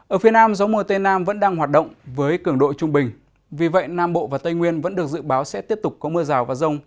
ở phía nam gió mùa tây nam vẫn đang hoạt động với cường độ trung bình vì vậy nam bộ và tây nguyên vẫn được dự báo sẽ tiếp tục có mưa rào và rông